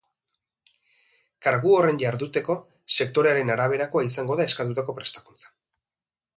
Kargu horren jarduteko, sektorearen araberakoa izango da eskatutako prestakuntza.